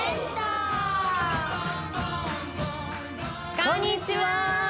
こんにちは！